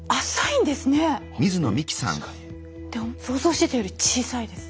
で想像してたより小さいです。